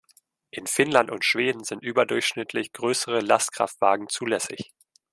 In Finnland und Schweden sind überdurchschnittlich größere Lastkraftwagen zulässig.